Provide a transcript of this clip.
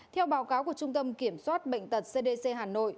theo báo cáo của trung tâm kiểm soát bệnh tật cdc hà nội